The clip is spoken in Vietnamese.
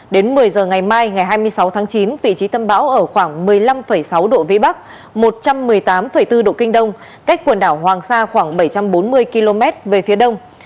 đến một mươi giờ ngày mai ngày hai mươi sáu tháng chín vị trí tâm bão ở khoảng một mươi năm sáu độ vĩ bắc một trăm một mươi tám bốn độ kinh đông cách quần đảo hoàng sa khoảng bảy trăm bốn mươi km về phía đông